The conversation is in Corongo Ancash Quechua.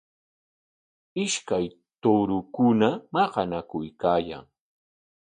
Ishkay tuurukuna maqanakuykaayan.